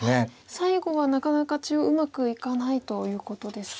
最後はなかなか中央うまくいかないということですか。